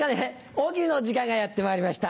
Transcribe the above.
「大喜利」の時間がやってまいりました。